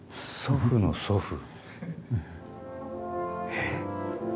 えっ！？